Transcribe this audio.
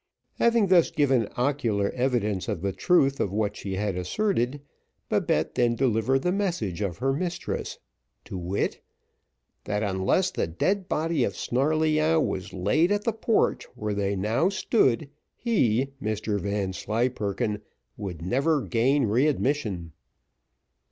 Having thus given ocular evidence of the truth of what she had asserted, Babette then delivered the message of her mistress; to wit, "that until the dead body of Snarleyyow was laid at the porch where they now stood, he, Mr Vanslyperken, would never gain re admission."